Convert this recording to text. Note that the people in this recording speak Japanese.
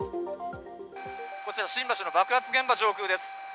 こちら新橋の爆発現場上空です。